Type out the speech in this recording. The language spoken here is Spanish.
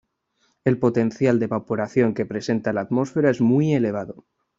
El potencial de evaporación que presenta la atmósfera es muy elevado.